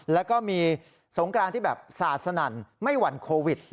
แล้วก็มีสงกรานที่แบบสาดสนั่นไม่หวั่นโควิด